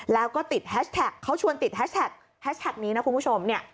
แล้วก็ติดแฮชแท็กเขาชวนติดแฮชแท็กแฮชแท็กนี้นะคุณผู้ชมเนี่ย